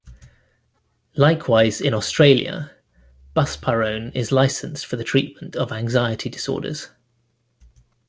Likewise in Australia, buspirone is licensed for the treatment of anxiety disorders.